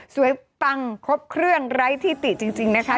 ปังครบเครื่องไร้ที่ติจริงนะคะ